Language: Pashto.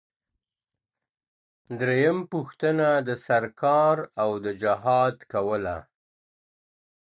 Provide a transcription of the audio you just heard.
دریم پوښتنه د سرکار او د جهاد کوله.